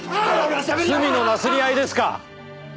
罪のなすり合いですか。